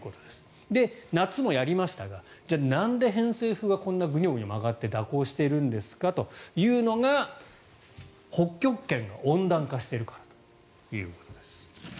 夏もやりましたがなんで偏西風がこんなにグニョグニョ曲がって蛇行しているんですかというのが北極圏、温暖化しているからということです。